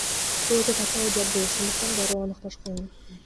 Бул өтө татаал жабдуу, ошондуктан дароо аныкташ кыйын.